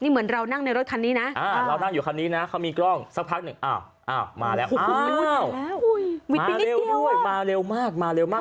มาเร็วด้วยมาเร็วมากมาเร็วมาก